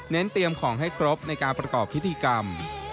เตรียมของให้ครบในการประกอบพิธีกรรม